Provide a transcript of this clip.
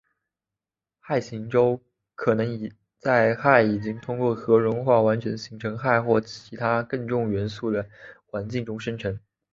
氦行星可能在氢已经通过核融合完全形成氦或其它更重元素的环境中生成。